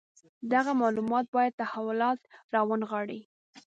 دغه معلومات باید تحولات راونغاړي.